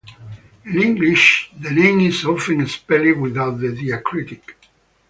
In English the name is often spelled without the diacritic.